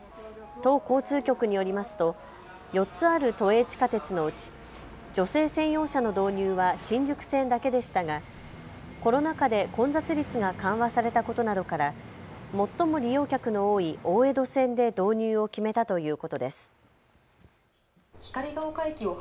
都交通局によりますと４つある都営地下鉄のうち女性専用車の導入は新宿線だけでしたがコロナ禍で混雑率が緩和されたことなどから最も利用客の多い大江戸線で導入を決めたということです。